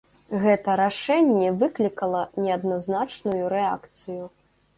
Гэта рашэнне выклікала неадназначную рэакцыю.